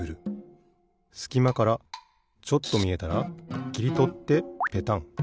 すきまからちょっとみえたらきりとってペタン。